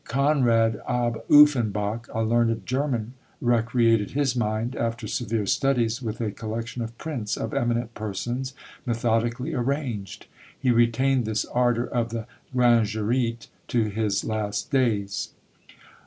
Conrad ab Uffenbach, a learned German, recreated his mind, after severe studies, with a collection of prints of eminent persons, methodically arranged; he retained this ardour of the Grangerite to his last days.